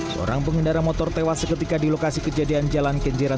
seorang pengendara motor tewas seketika di lokasi kejadian jalan kenjeran